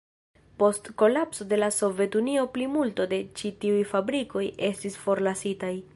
Post kolapso de la Sovetunio plimulto de ĉi tiuj fabrikoj estis forlasitaj.